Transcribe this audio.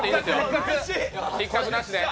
失格なしで。